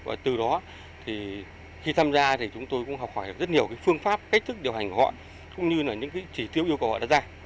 và từ đó thì khi tham gia thì chúng tôi cũng học hỏi được rất nhiều phương pháp cách thức điều hành của họ cũng như là những cái chỉ tiêu yêu cầu họ đặt ra